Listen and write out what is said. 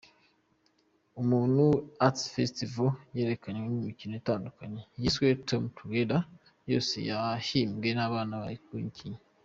Ubumuntu Arts Festival yerekanywemo imikino itandukanye yiswe "Torn Together" yose yahimbwe n’abana bayikinnye.